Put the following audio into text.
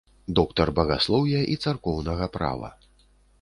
Доктар багаслоўя і царкоўнага права.